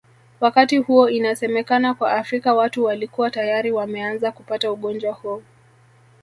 wakati huo inasemekana kwa Afrika watu walikua tayari wameanza kupata ugonjwa huu